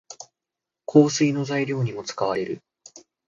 香水の材料にも使われる。